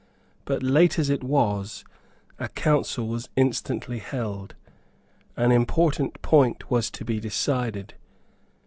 But, late as it was, a council was instantly held. An important point was to be decided.